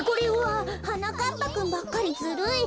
はなかっぱくんばっかりずるい！